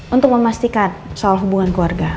untuk memastikan soal hubungan keluarga